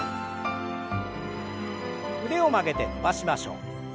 腕を曲げて伸ばしましょう。